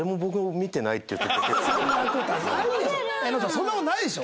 そんな事はないでしょ。